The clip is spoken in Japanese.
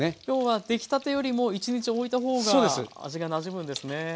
要は出来たてよりも１日おいた方が味がなじむんですね。